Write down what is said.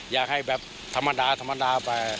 อยากให้แบบธรรมดาไป